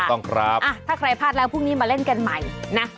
ถ้าใครพลาดแล้วพรุ่งนี้มาเล่นกันใหม่นะ